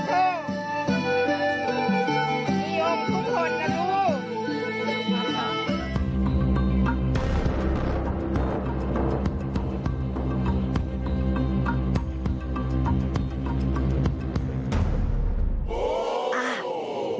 นี่อมทุกคนนะดู